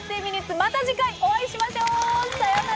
また次回お会いしましょう！さようなら。